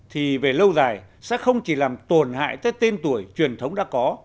thì về lâu dài sẽ không chỉ làm tổn hại tới tên tuổi truyền thống đã có